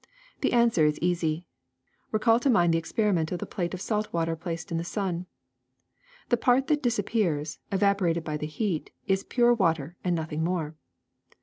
The answer is easy. Recall to mind the experiment of the plate of salt water placed in the sun. The part that dis appears, evaporated by the heat, is pure water and nothing more.